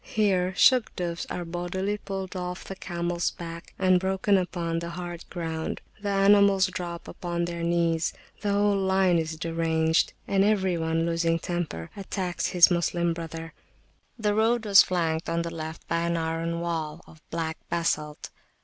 Here Shugdufs are bodily pulled off the camels back and broken upon the hard ground; the animals drop upon their knees, the whole line is deranged, and every one, losing temper, attacks his Moslem brother. The road was flanked on the left by an iron wall of black basalt.